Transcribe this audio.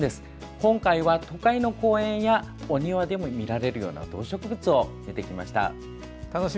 今回は都会の公園やお庭でも見られるような植物を見てきました。